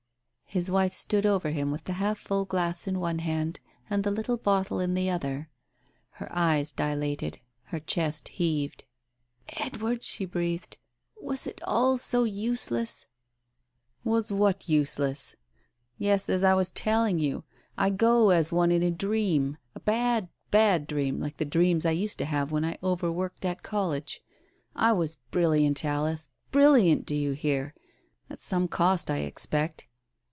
His wife stood over him with the half full glass in one hand and the little bottle in the other. Her eyes dilated ... her chest heaved. ..." Edward !" she breathed. " Was it all so useless ?"" Was what useless ? Yes, as I was telling you, I go as one in a dream — a bad, bad dream, like the dreams I used to have when I overworked at college. I was brilliant, Alice, brilliant, do you hear? At some cost, I expect